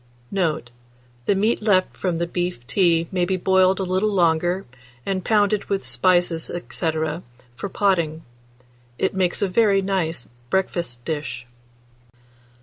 Note. The meat loft from beef tea may be boiled a little longer, and pounded, with spices, &c., for potting. It makes a very nice breakfast dish.